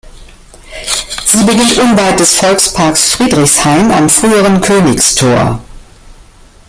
Sie beginnt unweit des Volksparks Friedrichshain am früheren Königstor.